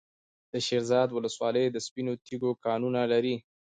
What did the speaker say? د شیرزاد ولسوالۍ د سپینو تیږو کانونه لري.